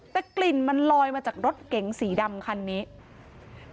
แต่กลิ่นมันลอยมาจากรถเก๋งสีดำคันนี้